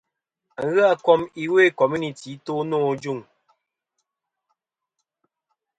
Aghɨ a kom iwo i komunity i to nô ajuŋ.